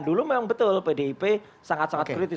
dulu memang betul pdip sangat sangat kritis